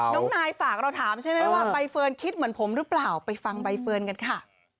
น้องนายฝากเราถามใช่ไหมว่าใบเฟิร์นคิดเหมือนผมหรือเปล่าไปฟังใบเฟิร์นกันค่ะ